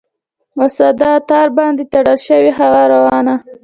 وساده ! تار باندې تړلی شي هوا روانه ؟